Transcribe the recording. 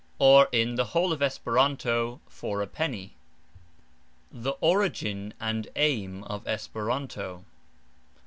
or in "The Whole of Esperanto for a Penny." THE ORIGIN AND AIM OF ESPERANTO.